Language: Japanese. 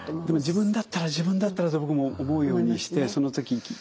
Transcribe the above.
でも自分だったら自分だったらって僕も思うようにしてその時。